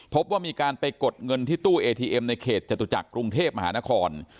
พบว่ามีการไปกดเงินที่ตู้เอทีเอ็มในเขตจตุจักรกรุงเทพมหานคร